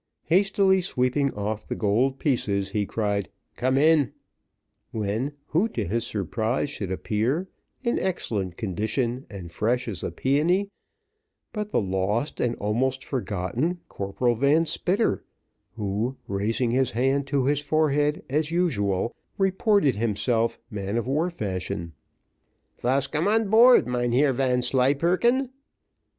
Hastily sweeping off the gold pieces, he cried, "Come in;" when who, to his surprise, should appear, in excellent condition and fresh as a peony, but the lost and almost forgotten Corporal Van Spitter, who, raising his hand to his forehead as usual, reported himself man of war fashion, "Vas come on board, Mynheer Vanslyperken."